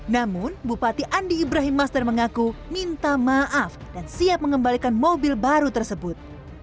namun bupati andi ibrahim master mengaku minta maaf dan siap mengembalikan mobil baru tersebut